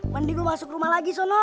mandi gue masuk rumah lagi sana